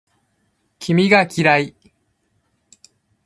君が嫌い